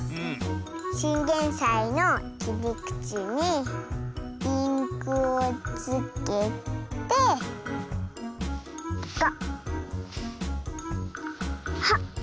チンゲンサイのきりくちにインクをつけてゴッホ！